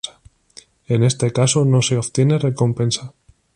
En este caso no se obtiene recompensa.